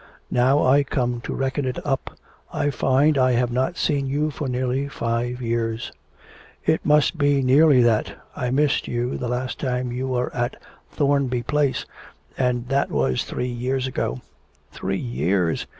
Now I come to reckon it up, I find I have not seen you for nearly five years.' 'It must be very nearly that; I missed you the last time you were at Thornby Place, and that was three years ago.' 'Three years!